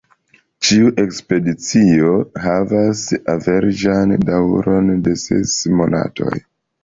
Ĉiu ekspedicio havas averaĝan daŭron de ses monatoj.